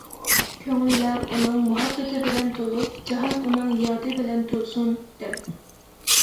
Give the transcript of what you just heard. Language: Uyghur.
كۆڭۈللەر ئۇنىڭ مۇھەببىتى بىلەن تولۇپ، جاھان ئۇنىڭ يادى بىلەن تولسۇن دەپ.